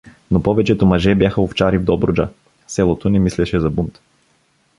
Но повечето мъже бяха овчари в Добруджа, селото не мислеше за бунт.